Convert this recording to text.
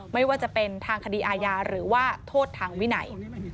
ไม่ว่าจะเป็นทางคดีอาญาหรือว่าโทษทางวินัย